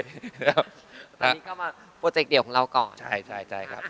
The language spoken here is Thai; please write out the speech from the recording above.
ตอนนี้ก็มาโปรเจกต์เดียวของเราก่อนใช่ใช่ครับ